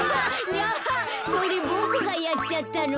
ギャハそれボクがやっちゃったの。